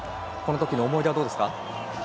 このときの思い出はどうですか？